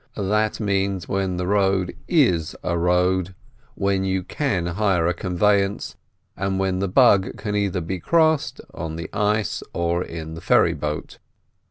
That means when the road is a road, when you can hire a conveyance, and when the Bug can either be crossed on the ice or in the ferry boat.